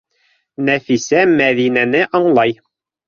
Нәфисә Мәҙинәне аңлай.